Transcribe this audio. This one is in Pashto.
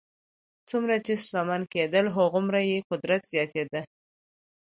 څومره چې شتمن کېدل هغومره یې قدرت زیاتېده.